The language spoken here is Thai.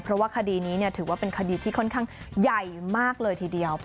เพราะว่าคดีนี้ถือว่าเป็นคดีที่ค่อนข้างใหญ่มากเลยทีเดียว